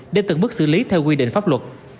để từng bước xử lý theo quy định pháp luật